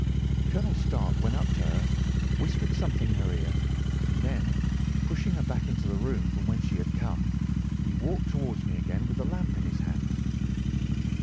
Colonel Stark went up to her, whispered something in her ear, and then, pushing her back into the room from whence she had come, he walked towards me again with the lamp in his hand.